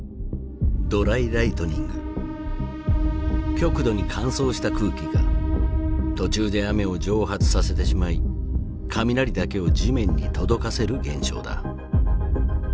極度に乾燥した空気が途中で雨を蒸発させてしまい雷だけを地面に届かせる現象だ。